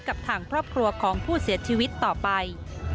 กับทางครอบครัวของผู้เสียชีวิตต่อไป